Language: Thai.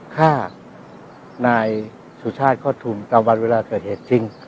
ฆ่านายสุชาติโคตรทุนตามวันเวลาเกิดเหตุจริง